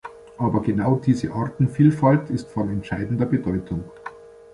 Aber genau diese Artenvielfalt ist von entscheidender Bedeutung.